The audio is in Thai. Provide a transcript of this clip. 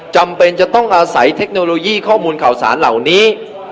จำเป็นจะต้องอาศัยเทคโนโลยีข้อมูลข่าวสารเหล่านี้